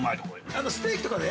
◆あの、ステーキとかで？